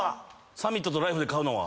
サミットとライフで買うのは。